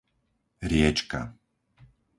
Riečka